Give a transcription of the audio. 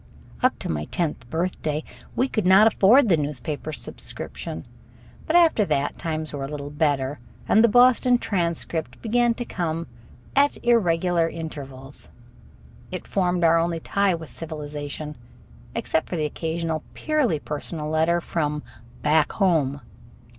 Up to my tenth birthday we could not afford the newspaper subscription. But after that times were a little better, and the Boston Transcript began to come at irregular intervals. It formed our only tie with civilization, except for the occasional purely personal letter from "back home."